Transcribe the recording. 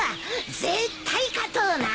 絶対勝とうな。